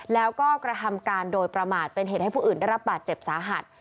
แล้วก็กระทำการโดยประมาทเป็นเหตุให้ผู้อื่นได้รับบาดเจ็บสาหัส